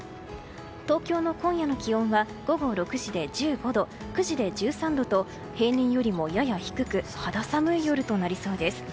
東京の今夜の気温は午後６時で１５度９時で１３度と平年よりもやや低く肌寒い夜となりそうです。